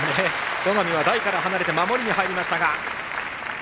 戸上は台から離れて守りに入りましたが。